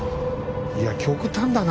いや極端だな。